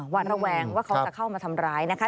วัดระแวงว่าเขาจะเข้ามาทำร้ายนะคะ